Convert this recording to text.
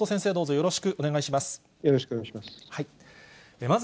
よろしくお願いします。